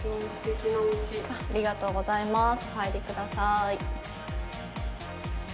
ありがとうございます。